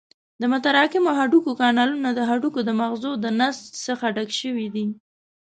د متراکمو هډوکو کانالونه د هډوکو د مغزو له نسج څخه ډک شوي دي.